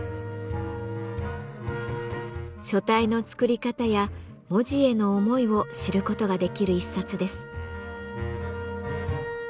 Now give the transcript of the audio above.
書体の作り方や文字への思いを知る事ができる一冊です。